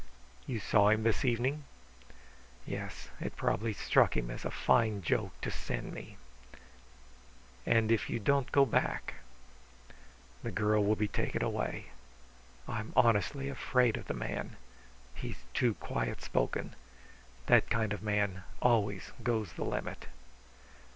"You saw him this evening?" "Yes. It probably struck him as a fine joke to send me." "And if you don't go back?" "The girl will be taken away. I'm honestly afraid of the man. He's too quiet spoken. That kind of a man always goes the limit."